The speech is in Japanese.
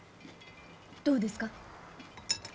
どうですか？